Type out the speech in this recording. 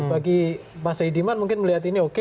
bagi mas saidiman mungkin melihat ini oke